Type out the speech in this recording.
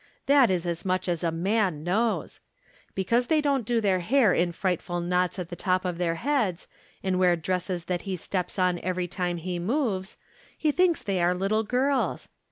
That is as much as a man knows ! Because they don't do their hair in frightful knots on the top of their heads, and wear dresses that he steps on every time he moves, he thinks they are little girls.